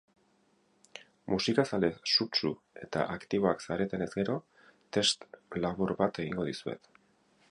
Musikazale sutsu eta aktiboak zaretenez gero, test labur bat egingo dizuet.